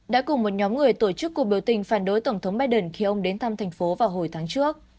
đã cùng một nhóm người tổ chức cuộc biểu tình phản đối tổng thống biden khi ông đến thăm thành phố vào hồi tháng trước